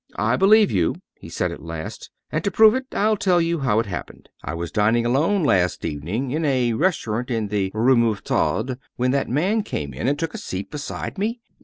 "I believe you," he said at last. "And to prove it I'll tell you how it happened. I was dining alone last evening in a restaurant in the Rue Mouffetard, when that man came in and took a seat beside me.